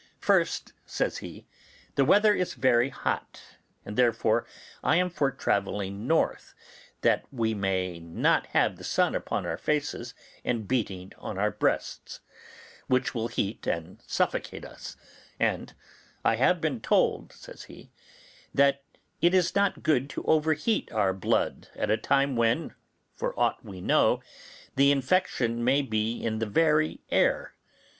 'First,' says he, 'the weather is very hot, and therefore I am for travelling north, that we may not have the sun upon our faces and beating on our breasts, which will heat and suffocate us; and I have been told', says he, 'that it is not good to overheat our blood at a time when, for aught we know, the infection may be in the very air.